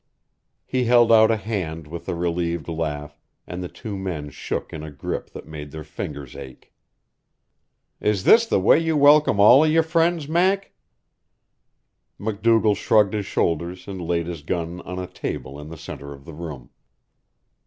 He held out a hand with a relieved laugh, and the two men shook in a grip that made their fingers ache. "Is this the way you welcome all of your friends, Mac?" MacDougall shrugged his shoulders and laid his gun on a table in the center of the room.